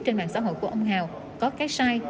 trên mạng xã hội của ông hào có cái sai